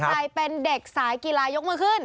ใครเป็นเด็กสายกีฬายกมือขึ้น